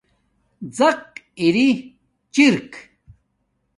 زق اری چِرک